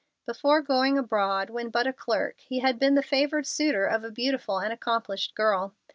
Before going abroad, when but a clerk, he had been the favored suitor of a beautiful and accomplished girl.